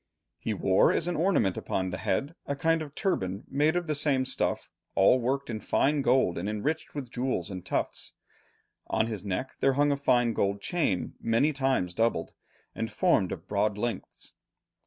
He wore as an ornament upon the head, a kind of turban made of the same stuff, all worked in fine gold and enriched with jewels and tufts. On his neck there hung a fine gold chain many times doubled, and formed of broad links.